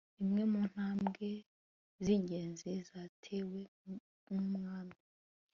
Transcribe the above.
Imwe mu ntambwe zingenzi zatewe numwami